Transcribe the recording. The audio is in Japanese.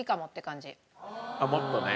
もっとね。